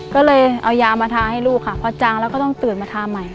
ก็เลยเอายามาทาให้ลูกค่ะพอจางแล้วก็ต้องตื่นมาทาใหม่